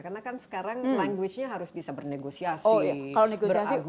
karena kan sekarang language nya harus bisa bernegosiasi